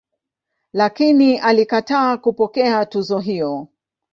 Lakini alikataa kupokea tuzo hiyo.